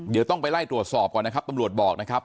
เดี๋ยวต้องไปไล่ตรวจสอบก่อนนะครับตำรวจบอกนะครับ